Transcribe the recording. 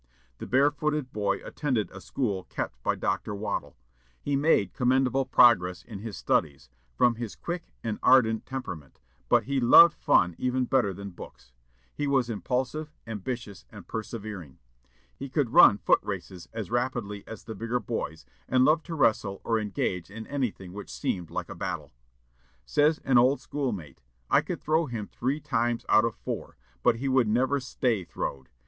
The barefooted boy attended a school kept by Dr. Waddell. He made commendable progress in his studies, from his quick and ardent temperament, but he loved fun even better than books. He was impulsive, ambitious, and persevering. He could run foot races as rapidly as the bigger boys, and loved to wrestle or engage in anything which seemed like a battle. Says an old schoolmate, "I could throw him three times out of four, but he would never stay throwed.